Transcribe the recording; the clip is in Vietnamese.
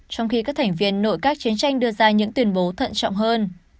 trong khi các thành viên nội các chiến tranh đưa ra những tuyên bố thận trọng hơn